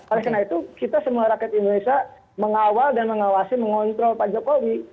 oleh karena itu kita semua rakyat indonesia mengawal dan mengawasi mengontrol pak jokowi